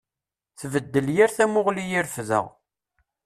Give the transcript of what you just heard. Tbeddel yir tamuɣli i refdeɣ.